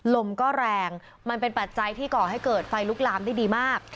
ลมก็แรงมันเป็นปัจจัยที่ก่อให้เกิดไฟลุกลามได้ดีมาก